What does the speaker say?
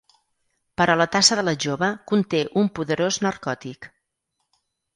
Però la tassa de la jove conté un poderós narcòtic.